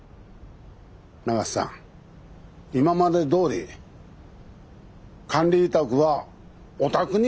永瀬さん今までどおり管理委託はおたくにお願いします。